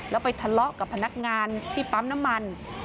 แล้วไปทะเลาะกับพนักงานที่ปั๊มน้ำมัน